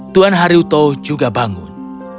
tuan haruto juga bangun